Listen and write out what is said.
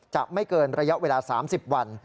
จะไม่เกินระยะเวลา๓๐วัน